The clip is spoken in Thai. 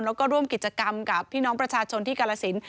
แล้วก็ร่วมกิจกรรมกับพี่น้องประชาชนที่กาลสิน